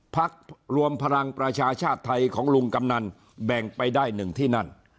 พักรวมพลังประชาชาติไทยของลุงกำนันแบ่งไปได้หนึ่งที่นั่น